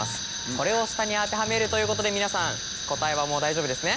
これを下に当てはめるということで皆さん答えはもう大丈夫ですね？